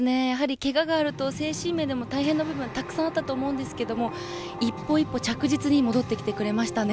けががあると精神面でも大変な部分たくさんあったと思うんですけど一歩一歩、着実に戻ってきてくれましたね。